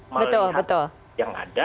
melihat yang ada